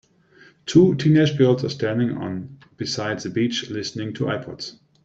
Two teenage girls are standing on beside the beach listening to ipods.